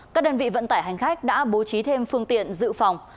các đơn vị vận tải hành khách đã bố trí thêm phương tiện dự phòng